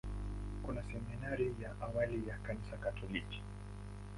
Kuna seminari ya awali ya Kanisa Katoliki.